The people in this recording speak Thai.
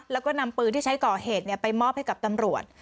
แล้วก็นำปืนที่ใช้ก่อเหตุไปมอบให้กับตำรวจ